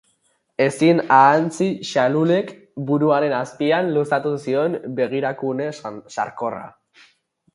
Ezin ahantzi Xalulek buruaren azpian luzatu zion begirakune sarkorra.